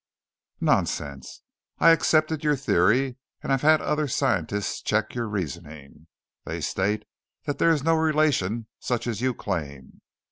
"Nonsense. I accepted your theory and have had other scientists check your reasoning. They state that there is no relation such as you claim.